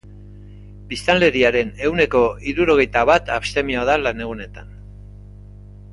Biztanleriaren ehuneko hirurogeita bat abstemioa da lanegunetan.